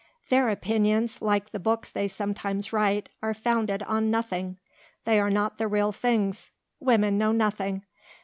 Their opinions, like the books they sometimes write, are founded on nothing. They are not the real things. Women know nothing.